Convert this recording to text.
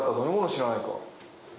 知らないか？